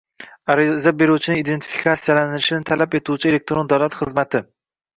Ariza beruvchining identifikatsiyalanishini talab etuvchi elektron davlat xizmati